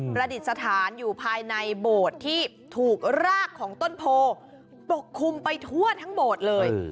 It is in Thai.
ดิษฐานอยู่ภายในโบสถ์ที่ถูกรากของต้นโพปกคลุมไปทั่วทั้งโบสถ์เลย